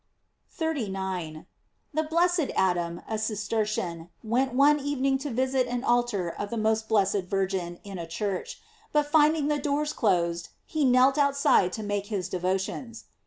f 39. — The blessed Adam, a Cistercian, went one evening to visit an altar of the most blessed Vir gin in a church; but finding the doors closed, he knelt outside to make his devotions.